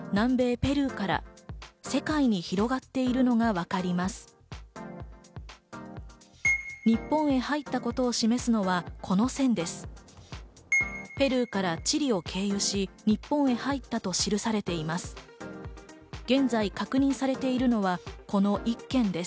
ペルーからチリを経由し、日本へ入ったと記されています。